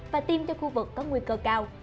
và tiêm cho khu vực có nguy cơ cao